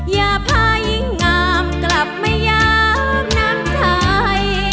อย่าพายิ่งงามกลับมายามน้ำใจ